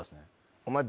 お前。